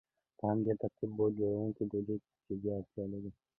په همدې ترتیب بوټ جوړونکی ډوډۍ ته جدي اړتیا لري